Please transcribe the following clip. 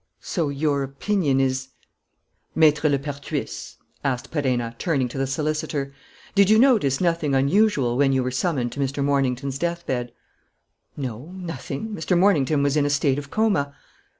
"So your opinion is " "Maître Lepertuis," asked Perenna, turning to the solicitor, "did you notice nothing unusual when you were summoned to Mr. Mornington's death bed?" "No, nothing. Mr. Mornington was in a state of coma."